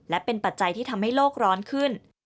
และเป็นปัจจัยที่ทำให้โลกร้อนขึ้น